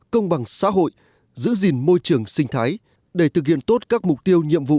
công bằng xã hội giữ gìn môi trường sinh thái để thực hiện tốt các mục tiêu nhiệm vụ